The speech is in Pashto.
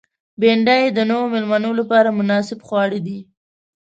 بېنډۍ د نوو مېلمنو لپاره مناسب خواړه دي